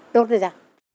đốt ra ra